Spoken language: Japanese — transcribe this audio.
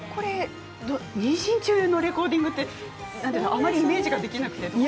妊娠中のレコーディングってあまりイメージができなくて。